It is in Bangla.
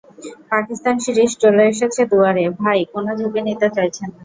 পাকিস্তান সিরিজ চলে এসেছে দুয়ারে, তাই কোনো ঝুঁকি নিতে চাইছেন না।